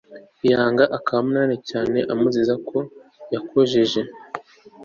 yanga k Amunoni cyane amuziza ko yakojeje